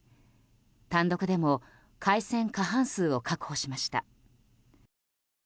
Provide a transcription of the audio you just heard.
単独でも改選過半数を確保しました。